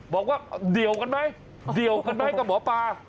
บอกว่าเดี่ยวกันไหมกับหมอปลา